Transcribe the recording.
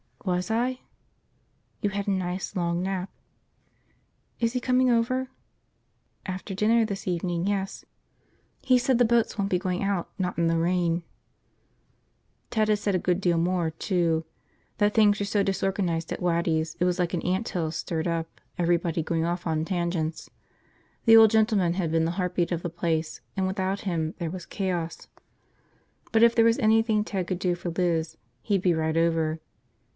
"Was I?" "You had a nice long nap." "Is he coming over?" "After dinner this evening, yes. He said the boats won't be going out, not in the rain." Ted had said a good deal more, too – that things were so disorganized at Waddy's it was like an anthill stirred up, everybody going off on tangents. The old gentleman had been the heartbeat of the place and without him there was chaos. But if there was anything Ted could do for Liz, he'd be right over.